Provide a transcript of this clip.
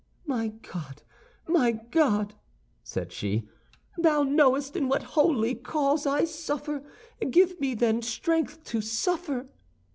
"My God, my God!" said she, "thou knowest in what holy cause I suffer; give me, then, strength to suffer."